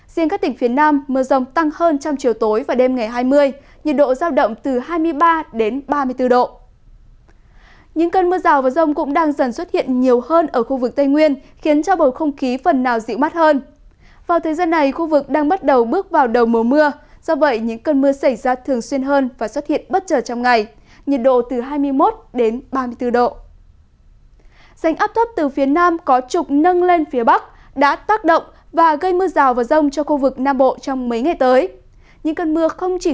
xin kính chào tạm biệt và hẹn gặp lại